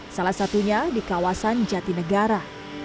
salah satunya di kawasan jatinegara